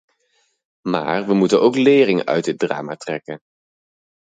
Maar we moeten ook lering uit dit drama trekken.